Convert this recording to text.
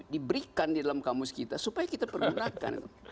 diberikan di dalam kamus kita supaya kita pergunakan